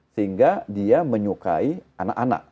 sehingga dia menyukai anak anak